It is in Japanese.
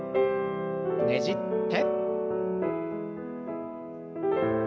ねじって。